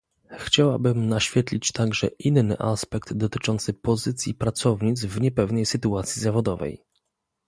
Chciałabym naświetlić także inny aspekt dotyczący pozycji pracownic w niepewnej sytuacji zawodowej